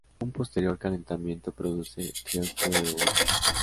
Un posterior calentamiento produce trióxido de boro.